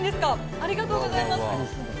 ありがとうございます。